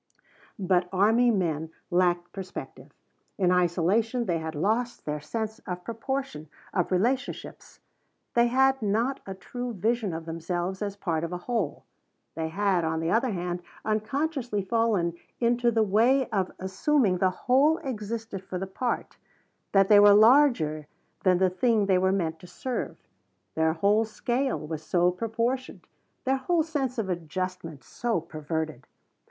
But army men lacked perspective; in isolation they had lost their sense of proportion, of relationships. They had not a true vision of themselves as part of a whole. They had, on the other hand, unconsciously fallen into the way of assuming the whole existed for the part, that they were larger than the thing they were meant to serve. Their whole scale was so proportioned; their whole sense of adjustment so perverted.